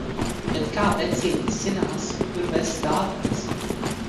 Bet kā vecītis zinās, kur vest dāvanas?